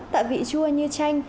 tạo vị chua như chanh